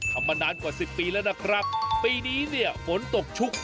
มานานกว่าสิบปีแล้วนะครับปีนี้เนี่ยฝนตกชุก